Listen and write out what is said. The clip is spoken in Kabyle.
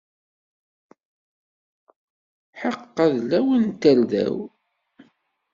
Ḥeqqa d lawan n tarda-w!